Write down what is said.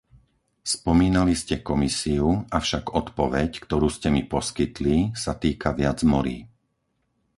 Spomínali ste Komisiu, avšak odpoveď, ktorú ste mi poskytli sa týka viac morí.